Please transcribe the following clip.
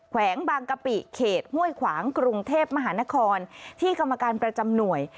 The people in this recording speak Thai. แวงบางกะปิเขตห้วยขวางกรุงเทพมหานครที่กรรมการประจำหน่วย